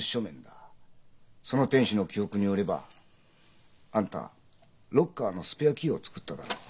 その店主の記憶によればあんたロッカーのスペアキーを作っただろう？